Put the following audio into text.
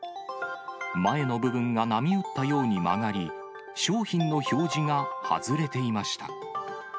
前の部分が波打ったように曲がり、商品の表示が外れていました。